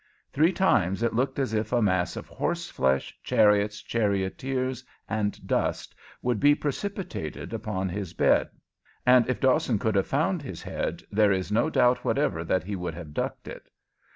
Three times it looked as if a mass of horseflesh, chariots, charioteers, and dust would be precipitated upon the bed, and if Dawson could have found his head there is no doubt whatever that he would have ducked it.